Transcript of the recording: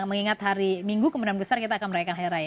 mengingat hari minggu kemenang besar kita akan merayakan herai